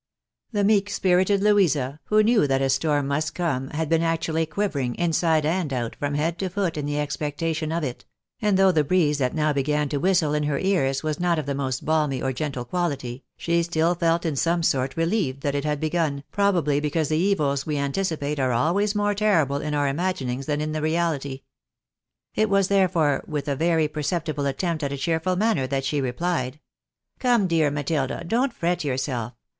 The meek spirited Louisa, who knew that a storm must come, had been actually quivering, inside and out, from head to foot, in the expectation of it ; and though the breeze that now began to whistle in her ears was not of the most balmy or gentle quality, she still felt in some sort relieved that it had begun, probably because the evils we anticipate are always more terrible in our imaginings than in the reahty. It was, therefore, with a very per ceptible attempt at a cheerful manner that she replied —" Come, dear Matilda ! don't fret yourself!